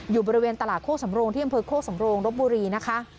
อยู่บริเวณตลาดโคกสำโรงที่อำเภอโคกสำโรงรบบุรีนะคะ